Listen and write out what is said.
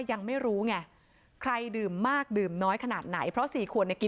ยังไม่รู้ไงใครดื่มมากดื่มน้อยขนาดไหนเพราะสี่ขวดเนี่ยกิน